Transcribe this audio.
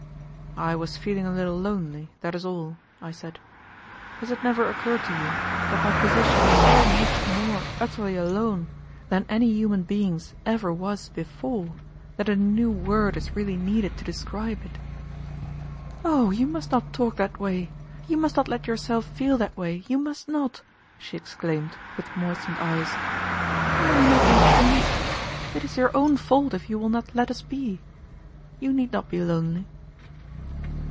"I was feeling a little lonely, that is all," I said. "Has it never occurred to you that my position is so much more utterly alone than any human being's ever was before that a new word is really needed to describe it?" "Oh, you must not talk that way you must not let yourself feel that way you must not!" she exclaimed, with moistened eyes. "Are we not your friends? It is your own fault if you will not let us be. You need not be lonely."